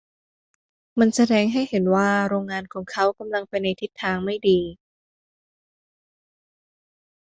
มันแสดงให้เห็นว่าโรงงานของเขากำลังไปในทิศทางไม่ดี